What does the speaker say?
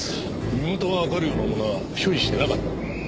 身元がわかるようなものは所持してなかったのか？